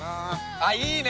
あっいいね。